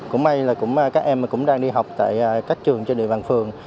cũng may là các em cũng đang đi học tại các trường trên địa bàn phường